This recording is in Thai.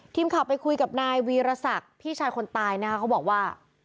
ทีมข่าวไปคุยกับนายวีรศักดิ์พี่ชายคนตายนะคะเขาบอกว่า